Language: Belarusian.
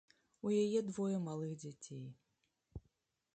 У яе двое малых дзяцей.